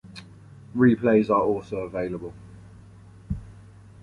Replays are also available.